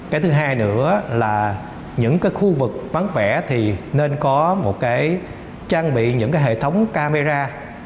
cái thứ hai nữa là những cái khu vực bán vẽ thì nên có một cái trang bị những cái hệ thống camera